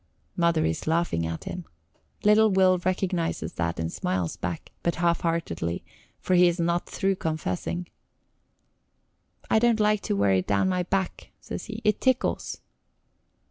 Mother is laughing at him. Little Will recognizes that and smiles back, but half heartedly, for he is not through confessing. "I don't like to wear it down my back," says he. "It tickles."